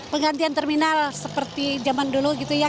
penggantian terminal seperti zaman dulu gitu ya